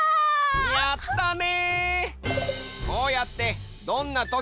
やったね！